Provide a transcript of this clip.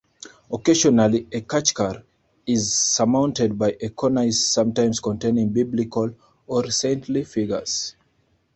Occasionally a "khachkar" is surmounted by a cornice sometimes containing biblical or saintly figures.